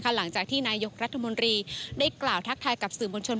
หลังจากที่นายกรัฐมนตรีได้กล่าวทักทายกับสื่อมวลชน